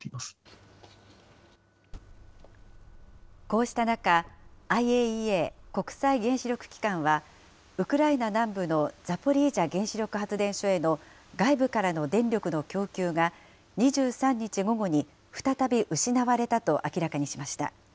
こうした中、ＩＡＥＡ・国際原子力機関は、ウクライナ南部のザポリージャ原子力発電所への外部からの電力の供給が、２３日午後に再び失われたと明らかにしました。